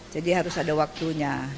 jadi harus ada waktunya